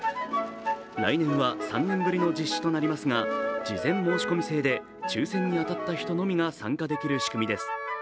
来年は３年ぶりの実施となりますが事前申し込み制で抽せんに当たった人のみが参加できる仕組みです。